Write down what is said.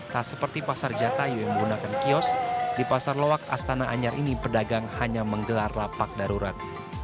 tak seperti pasar jatayu yang menggunakan kios di pasar loak astana anyar ini pedagang hanya menggelar lapak darurat